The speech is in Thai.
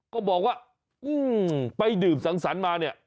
ก็บอกว่าไปดื่มสังสรรค์มาเนี่ย